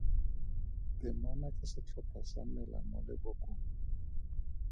Temana ke setlhopha sa mela mo lebokong.